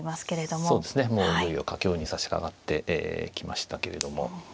もういよいよ佳境にさしかかってきましたけれども。